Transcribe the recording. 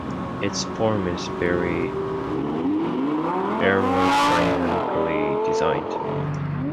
Its form is very aerodynamically designed.